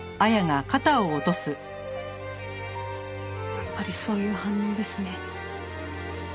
やっぱりそういう反応ですね。